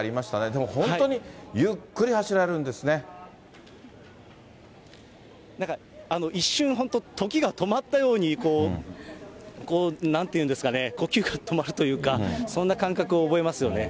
でも本当に、ゆっくり走られるんなんか一瞬、本当、時が止まったように、なんていうんですかね、呼吸が止まるというか、そんな感覚を覚えますよね。